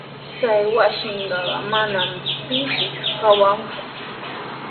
Chay wasitrawqa manami pipis kawanku.